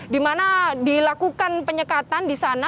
dimana dilakukan penyekatan di sana